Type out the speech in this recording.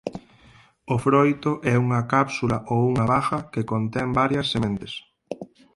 O froito é unha cápsula ou unha baga que contén varias sementes.